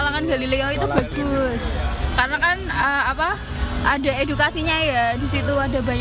bagus karena kan ada edukasinya ya di situ ada banyak banget jadi oke sih di situ